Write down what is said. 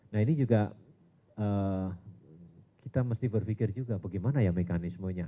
nah ini juga kita mesti berpikir juga bagaimana ya mekanismenya